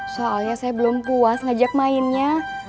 soalnya saya belum puas ngajak mainnya